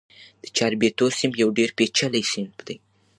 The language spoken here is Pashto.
د چاربیتو صنف یو ډېر پېچلی صنف دئ.